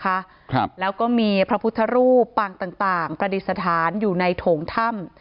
ครับแล้วก็มีพระพุทธรูปปางต่างต่างประดิษฐานอยู่ในโถงถ้ำ